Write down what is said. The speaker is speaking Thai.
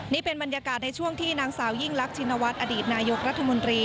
นี่เป็นบรรยากาศในช่วงที่นางสาวยิ่งรักชินวัฒน์อดีตนายกรัฐมนตรี